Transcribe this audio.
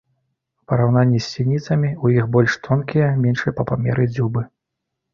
У параўнанні з сініцамі ў іх больш тонкія, меншыя па памеры дзюбы.